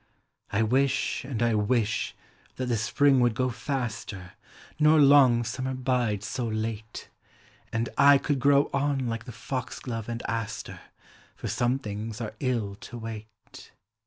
1 wish, and I wish, that the spring would go faster, Nor long summer bide so late; And I could grow on like the foxglove and aster, For some things are ill to wait.